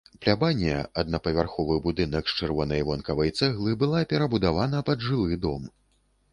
Плябанія, аднапавярховы будынак з чырвонай вонкавай цэглы, была перабудавана пад жылы дом.